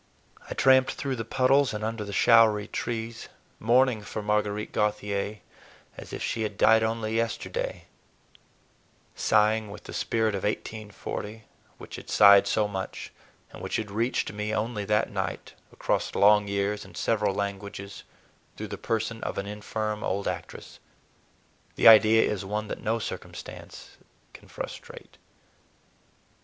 I tramped through the puddles and under the showery trees, mourning for Marguerite Gauthier as if she had died only yesterday, sighing with the spirit of 1840, which had sighed so much, and which had reached me only that night, across long years and several languages, through the person of an infirm old actress. The idea is one that no circumstances can frustrate.